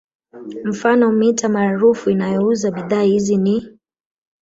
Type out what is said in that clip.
Mfano mitaa maarufu inayouza bidhaa hizi ni